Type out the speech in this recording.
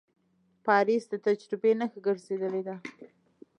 پاریس د تجربې نښه ګرځېدلې ده.